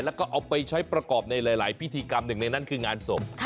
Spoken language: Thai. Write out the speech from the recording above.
แล้วก็เอาไปใช้ประกอบในหลายพิธีกรรมหนึ่งในนั้นคืองานศพ